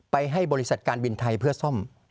ให้บริษัทการบินไทยเพื่อซ่อม